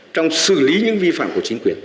trong xử lý những vi phạm của chính quyền